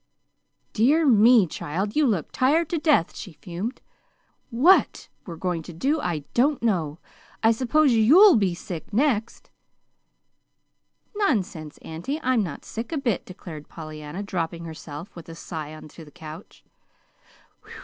"Dear me, child, you look tired to death!" she fumed. "WHAT we're going to do I don't know. I suppose YOU'LL be sick next!" "Nonsense, auntie! I'm not sick a bit," declared Pollyanna, dropping herself with a sigh on to the couch.